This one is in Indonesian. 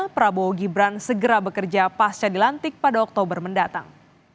prabowo gibran segera bekerja pasca dilantik pada oktober mendatang